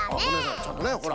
ちゃんとねほら。